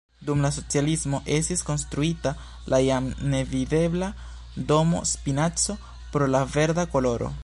Dum la socialismo estis konstruita la jam nevidebla "Domo Spinaco" pro la verda koloro.